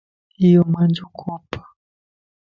ايو مانجو ڪوپ